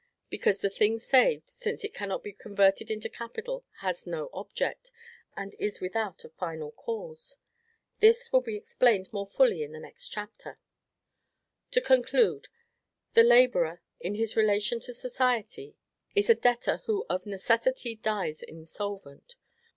Because the thing saved, since it cannot be converted into capital, has no object, and is without a FINAL CAUSE. This will be explained more fully in the next chapter. To conclude: The laborer, in his relation to society, is a debtor who of necessity dies insolvent.